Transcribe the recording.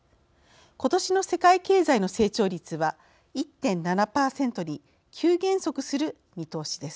今年の世界経済の成長率は１．７％に急減速する見通しです。